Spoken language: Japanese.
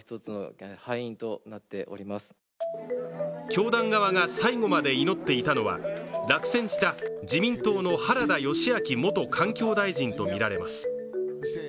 教団側が最後まで祈っていたのは落選した自民党の原田義昭元環境大臣とみられます。